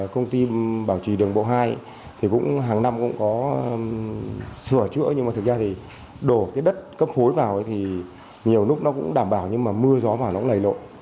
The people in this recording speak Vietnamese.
công ty bảo trì đường bộ hai thì cũng hàng năm cũng có sửa chữa nhưng mà thực ra thì đổ cái đất cấp khối vào thì nhiều lúc nó cũng đảm bảo nhưng mà mưa gió vào nó lầy lộ